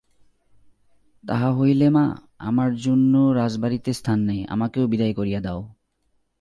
তাহা হইলে মা, আমার জন্যও রাজবাড়িতে স্থান নাই, আমাকেও বিদায় করিয়া দাও।